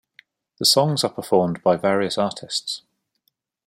The songs are performed by various artists.